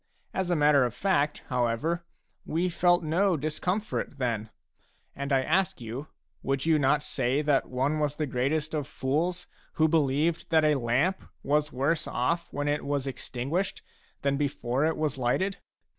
As a matter of fact, however, we felt no discomfort then. And I ask you, would you not say that one was the greatest of fools who believed that a lamp was worse ofF when it was extinguished than before it was lighted